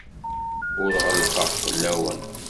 Ur ɣellqeɣ fell-awen.